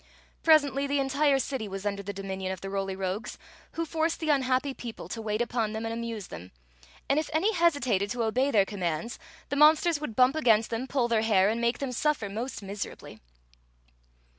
*' Presently the entire city was under the dominion of the Roly Rogues, who forced the unhappy people to wait upon them and amuse them ; and if any hesi Story of the Magic Cloak 2i$ tated to obey their commands, the monsters would bump against them, puU their hair, and make them suffer most miserably.